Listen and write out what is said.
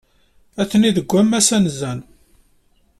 Atni deg wammas anezzan.